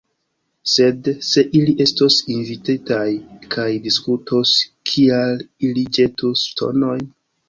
Sed, se ili estos invititaj kaj diskutos, kial ili ĵetus ŝtonojn?